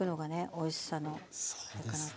おいしさのあれかなと。